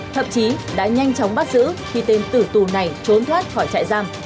thậm chí đã nhanh chóng bắt giữ khi tên tử tù này trốn thoát khỏi trại giam